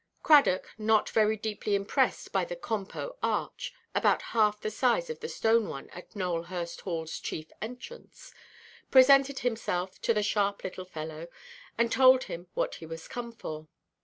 Cradock, not very deeply impressed by the "compo" arch (about half the size of the stone one at Nowelhurst Hallʼs chief entrance), presented himself to the sharp little fellow, and told him what he was come for.